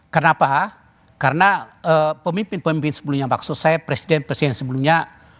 karena apa karena pemimpin pemimpin sebelumnya maksud saya presiden presiden sebelumnya